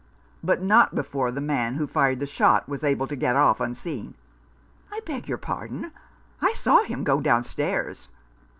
" But not before the man who fired the shot was able to get off unseen ?"" I beg your pardon, I saw him go down stairs."